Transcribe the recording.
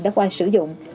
đã qua sử dụng